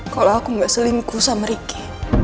kalau aku gak selingkuh sama ricky